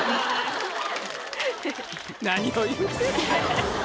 何を言うてんねん！